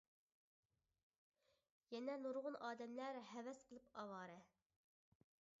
يەنە نۇرغۇن ئادەملەر ھەۋەس قىلىپ ئاۋارە.